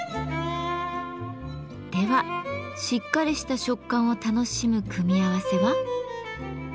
ではしっかりした食感を楽しむ組み合わせは？